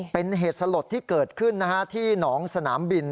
เป็นเหตุสลดที่เกิดขึ้นที่หนองสนามบิน